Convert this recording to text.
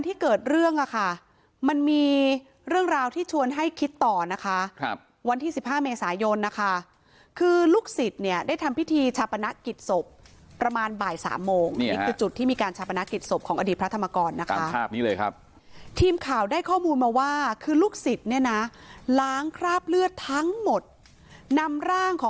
ที่เกิดเรื่องอ่ะค่ะมันมีเรื่องราวที่ชวนให้คิดต่อนะคะครับวันที่สิบห้าเมษายนนะคะคือลูกศิษย์เนี่ยได้ทำพิธีชาปนกิจศพประมาณบ่ายสามโมงนี่คือจุดที่มีการชาปนกิจศพของอดีตพระธรรมกรนะคะภาพนี้เลยครับทีมข่าวได้ข้อมูลมาว่าคือลูกศิษย์เนี่ยนะล้างคราบเลือดทั้งหมดนำร่างของ